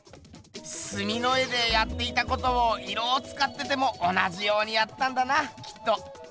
すみの絵でやっていたことを色をつかってても同じようにやったんだなきっと。